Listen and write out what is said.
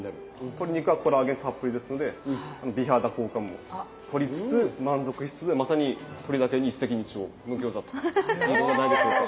鶏肉はコラーゲンたっぷりですので美肌効果もとりつつ満足しつつでまさに鶏だけに一石二鳥の餃子といえるのではないでしょうか。